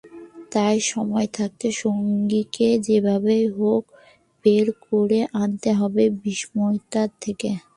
তাই সময় থাকতে সঙ্গীকে যেভাবেই হোক বের করে আনতে হবে বিষণ্নতা থেকে।